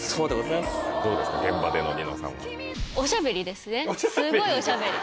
すごいおしゃべり。